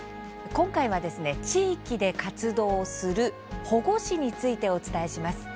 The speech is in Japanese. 今回は、地域で活動する保護司についてお伝えします。